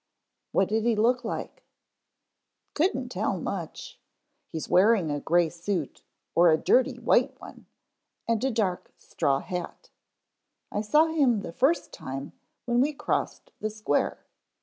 "What did he look like?" "Couldn't tell much. He's wearing a grey suit, or a dirty white one, and a dark straw hat. I saw him the first time when we crossed the Square.